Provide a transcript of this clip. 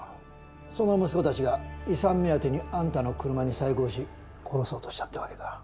その息子たちが遺産目当てにあんたの車に細工をし殺そうとしたって訳か。